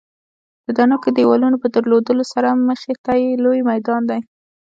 د دنګو دېوالونو په درلودلو سره مخې ته یې لوی میدان دی.